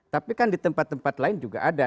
tapi kan di tempat tempat lain juga ada